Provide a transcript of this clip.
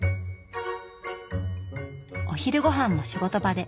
お昼ごはんも仕事場で。